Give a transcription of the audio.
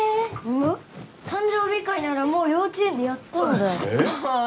むっ？誕生日会ならもう幼稚園でやったのである。